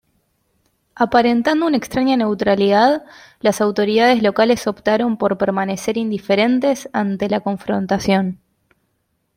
Aparentando una extraña neutralidad, las autoridades locales optaron por permanecer indiferentes ante la confrontación.